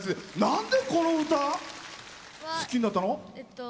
何でこの歌好きになったの？